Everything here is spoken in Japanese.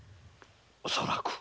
恐らく。